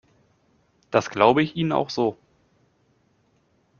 Das glaube ich Ihnen auch so.